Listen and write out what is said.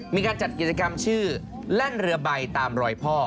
มีการจัดกิจกรรมชื่อแล่นเรือใบตามรอยพ่อ